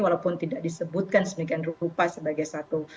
walaupun tidak disebutkan semikian rupa sebagai satu